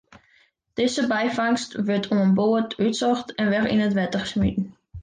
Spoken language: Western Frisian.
Dizze byfangst wurdt oan board útsocht en wer yn it wetter smiten.